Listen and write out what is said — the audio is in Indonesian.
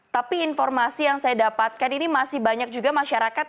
tapi informasi yang saya dapatkan ini masih banyak juga masyarakat